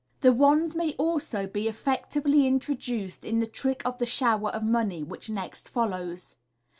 The wand may also be effectively introduced in the trick of the Shower of Money, which next follows.